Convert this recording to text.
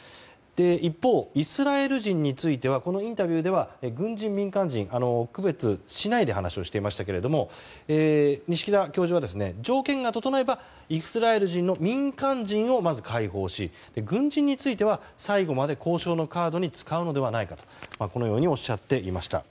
一方、イスラエル人についてはこのインタビューでは軍人、民間人の区別をしないで話をしていましたが錦田教授は条件が整えばイスラエル人の民間人をまず解放し軍人については最後まで交渉のカードに使うのではないかとこのようにおっしゃっていました。